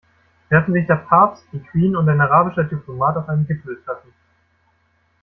Treffen sich der Papst, die Queen und ein arabischer Diplomat auf einem Gipfeltreffen.